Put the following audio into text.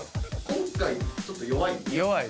今回、ちょっと弱い？